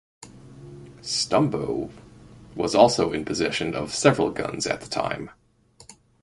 Stumbo was also in possession of several guns at the time.